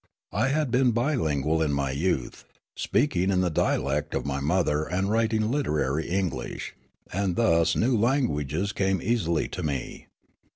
I had been bilingual in my youth, speaking in the dialect of my mother and writing literarj^ English ; and thus new languages came easily to me.